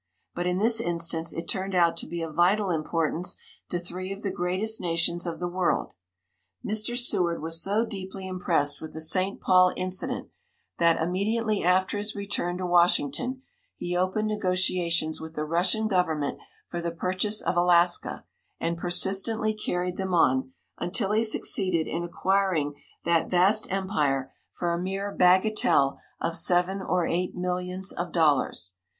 But in this instance it turned out to be of vital importance to three of the greatest nations of the world. Mr. Seward was so deeply impressed with the St. Paul incident that, immediately after his return to Washington, he opened negotiations with the Russian government for the purchase of Alaska, and persistently carried them on, until he succeeded in acquiring that vast empire for a mere bagatelle of seven or eight millions of dollars.